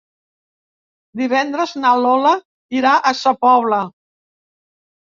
Divendres na Lola irà a Sa Pobla.